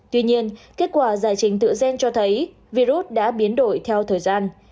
tuy nhiên kết quả giải trình tự gen cho thấy virus đã biến đổi theo thời gian